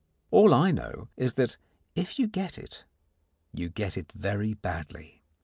All I know is that, if you get it, you get it very badly.